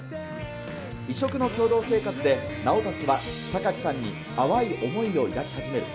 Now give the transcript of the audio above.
異色の共同生活で、直達は榊さんに淡い思いを抱き始める。